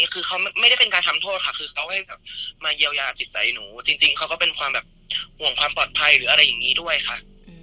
คือเขาไม่ได้เป็นการทำโทษค่ะคือเขาให้แบบมาเยียวยาจิตใจหนูจริงเขาก็เป็นความแบบห่วงความปลอดภัยหรืออะไรอย่างนี้ด้วยค่ะ